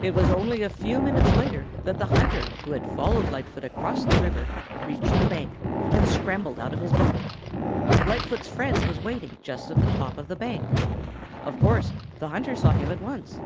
It was only a few minutes later that the hunter who had followed Lightfoot across the River reached the bank and scrambled out of his boat. Lightfoot's friend was waiting just at the top of the bank. Of course the hunter saw him at once.